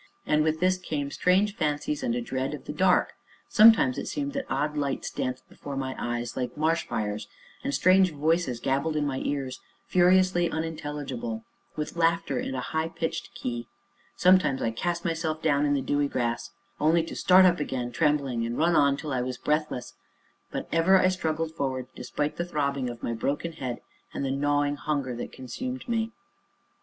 And with this came strange fancies and a dread of the dark. Sometimes it seemed that odd lights danced before my eyes, like marsh fires, and strange voices gabbled in my ears, furiously unintelligible, with laughter in a high pitched key; sometimes I cast myself down in the dewy grass, only to start up again, trembling, and run on till I was breathless; but ever I struggled forward, despite the throbbing of my broken head, and the gnawing hunger that consumed me.